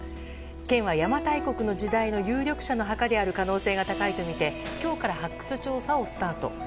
県は、邪馬台国の時代の有力者の墓である可能性が高いとみて今日から発掘調査をスタート。